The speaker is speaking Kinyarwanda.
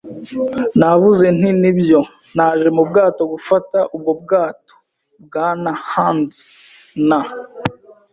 Navuze nti: “Nibyo, naje mu bwato gufata ubwo bwato, Bwana Hands; na